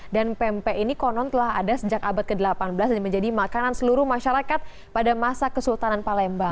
dan pempe ini konon telah ada sejak abad ke delapan belas dan menjadi makanan seluruh masyarakat pada masa kesultanan palembang